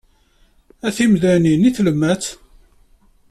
D timdanin i tellamt?